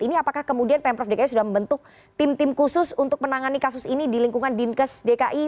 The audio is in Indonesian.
ini apakah kemudian pemprov dki sudah membentuk tim tim khusus untuk menangani kasus ini di lingkungan dinkes dki